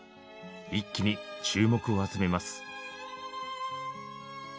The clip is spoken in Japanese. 一気に注目を集めます。